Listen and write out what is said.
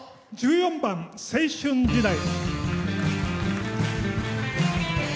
１４番「青春時代」。